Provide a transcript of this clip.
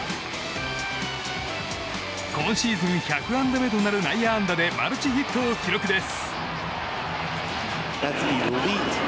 今シーズン１００安打目となる内野安打でマルチヒットを記録です。